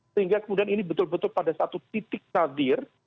sehingga kemudian ini betul betul pada satu titik tadir